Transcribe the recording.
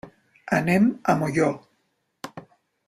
Anem a Molló.